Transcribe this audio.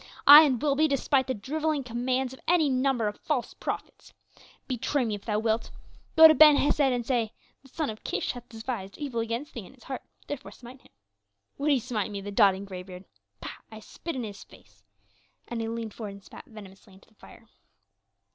ay, and will be, despite the driveling commands of any number of false prophets. Betray me if thou wilt. Go to Ben Hesed and say: 'The son of Kish hath devised evil against thee in his heart, therefore smite him.' Would he smite me, the doting greybeard? Pah, I spit in his face!" And he leaned forward and spat venomously into the fire.